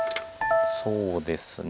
そうですね。